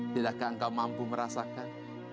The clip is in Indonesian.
tidakkah engkau mampu merasakan